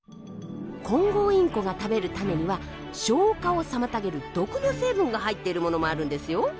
コンゴウインコが食べる種には消化を妨げる毒の成分が入っているものもあるんですよ。